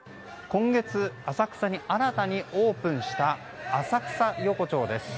今月浅草に新たにオープンした浅草横町です。